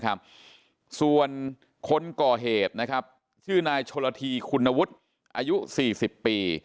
คนกรเหตุชื่อนายชถธีุ์คุณวุฒน์อายุ๔๐ปี